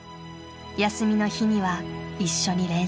休みの日には一緒に練習。